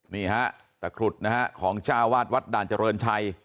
นี่ฮะตะครุฑนะฮะของจ้าวาดวัดด่านเจริญชัย